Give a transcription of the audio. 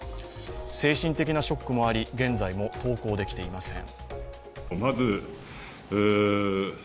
精神的なショックもあり現在も登校できていません。